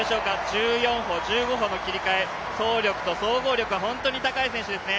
１５歩と１４歩の切り替え、走力と総合力が本当に高い選手ですね。